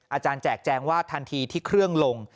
อาจารย์แจกแจงว่าทันทีที่เครื่องลง